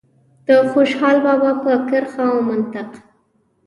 د خوشال بابا په کرښه او منطق.